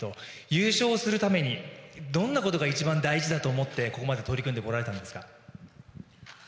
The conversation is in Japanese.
優勝するためにどんなことが一番大事だと思ってここまで取り組んでこられたんですか？